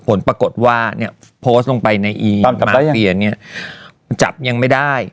ผลปรากฏว่าเนี่ยโพสต์ลงไปในอีตอนกำลังเปลี่ยนเนี่ยจับยังไม่ได้